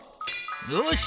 よし！